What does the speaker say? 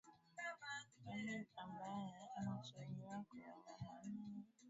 Amin ambaye anatuhumiwa kuwaua mamia ya wapinzani wake wakati wa utawala wake nchini Uganda